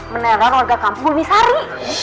menerang roda kampung misari